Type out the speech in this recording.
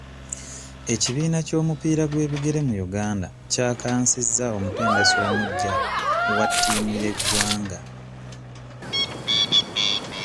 Ekibiina ky'omupiira gw'ebigere mu Uganda kyakansizza omutendesi omuggya wa ttiimu y'eggwanga.